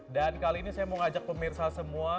dan kali ini saya mau ngajak pemirsa semua